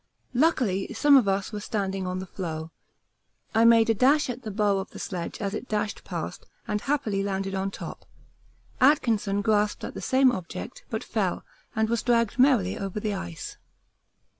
Luckily some of us were standing on the floe. I made a dash at the bow of the sledge as it dashed past and happily landed on top; Atkinson grasped at the same object, but fell, and was dragged merrily over the ice.